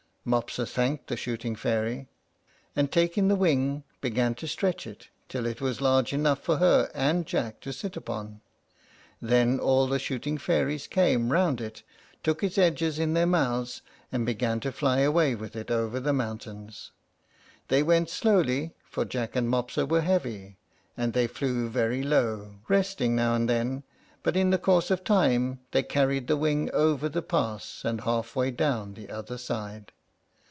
Mopsa thanked the shooting fairy, and, taking the wing, began to stretch it, till it was large enough for her and Jack to sit upon. Then all the shooting fairies came round it, took its edges in their mouths, and began to fly away with it over the mountains. They went slowly, for Jack and Mopsa were heavy, and they flew very low, resting now and then; but in the course of time they carried the wing over the pass, and halfway down the other side.